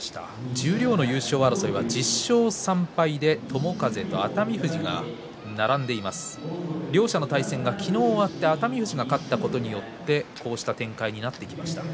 十両の優勝争いは１０勝３敗で友風と熱海富士が並んでいます。両者の対戦は昨日、終わって熱海富士が勝ったことによってこうした展開になってきました。